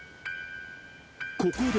［ここで］